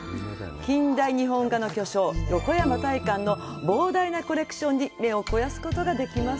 近代日本画の巨匠・横山大観の膨大なコレクションに目を肥やすことができます。